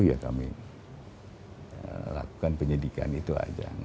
ya kami lakukan penyidikan itu aja